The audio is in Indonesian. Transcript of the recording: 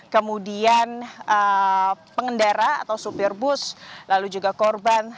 kemudian pengendara atau supir bus lalu juga korban